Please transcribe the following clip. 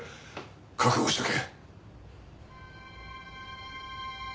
覚悟しとけ。